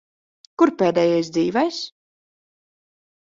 Kur pēdējais dzīvais?